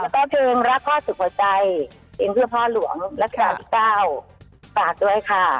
แล้วก็เพลงรักษาสุขหัวใจเอ็งเพื่อพ่อหลวงรักษาพี่ก้าวฝากด้วยค่ะ